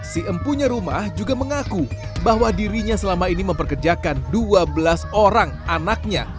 si empunya rumah juga mengaku bahwa dirinya selama ini memperkerjakan dua belas orang anaknya